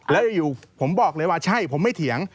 แล้วอยู่ผมบอกเลยว่าใช่ผมไม่เถียง